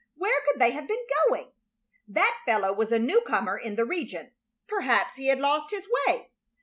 Where could they have been going? That fellow was a new comer in the region; perhaps he had lost his way.